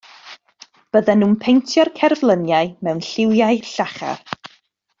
Bydden nhw'n paentio'r cerfluniau mewn lliwiau llachar.